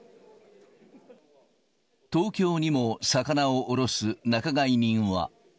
東京にも魚を卸す仲買人は。